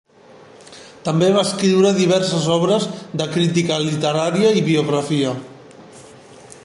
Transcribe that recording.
També va escriure diverses obres de crítica literària i biografia.